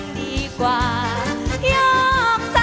ก็จะมีความสุขมากกว่าทุกคนค่ะ